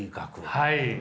はい。